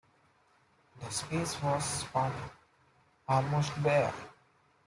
The space was spartan, almost bare.